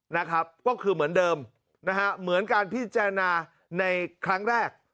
นะครับก็คือเหมือนเดิมนะฮะเหมือนการพิจารณาในครั้งแรก